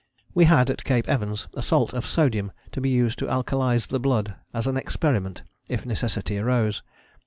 We had, at Cape Evans, a salt of sodium to be used to alkalize the blood as an experiment, if necessity arose.